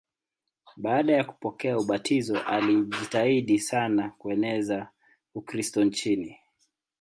Baada ya kupokea ubatizo alijitahidi sana kueneza Ukristo nchini.